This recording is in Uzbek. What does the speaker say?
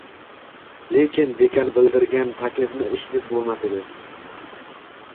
Lekin dekan bildirgan taklifni ish deb bo`lmasdi